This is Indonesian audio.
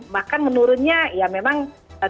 bahkan menurunnya ya memang